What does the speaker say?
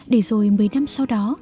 để rồi mấy năm sau đó